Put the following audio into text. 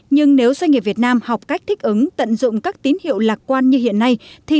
nhưng nếu doanh nghiệp việt nam học cách thích ứng tận dụng các tín hiệu lạc quan như hiện nay